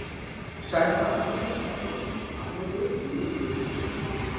শায়েস্তা আহমদের সাথে আহমদের বিয়ে হয়েছিল।